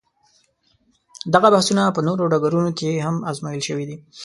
دغه بحثونه په نورو ډګرونو کې هم ازمویل شوي دي.